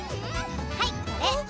⁉はいこれ。